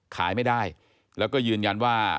ขายไม่ได้แล้วก็ยืนยันว่า